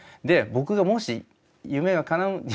で僕がもし夢がかなう。